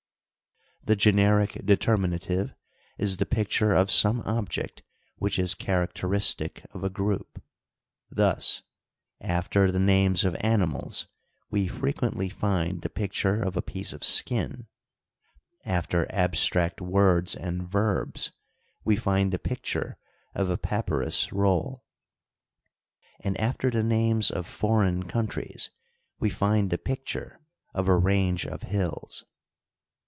The generic determinative is the picture of some object whicn is characteristic of a g^oup. Thus, after the names of animals we frequently find the picture of a piece of skin ; after abstract words and verbs we find the picture of a papyrus roll ; and after the names of for eign countries we find the picture of a range of hills.